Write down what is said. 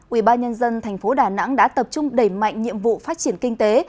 ubnd tp đà nẵng đã tập trung đẩy mạnh nhiệm vụ phát triển kinh tế